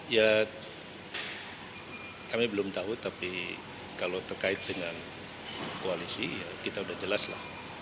ya kami belum tahu tapi kalau terkait dengan koalisi ya kita udah jelas lah